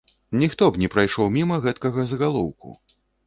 Ніхто б не прайшоў міма гэткага загалоўку.